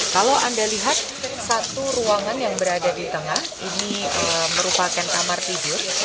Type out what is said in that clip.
kalau anda lihat satu ruangan yang berada di tengah ini merupakan kamar tidur